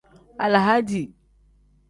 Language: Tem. Alahadi.